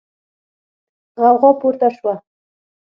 غوغا پورته شوه.